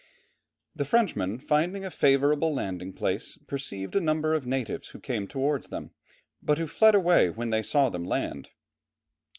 The Frenchmen finding a favourable landing place, perceived a number of natives who came towards them, but who fled away when they saw them land.